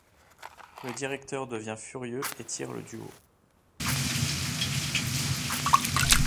Le directeur devient furieux et tire le duo.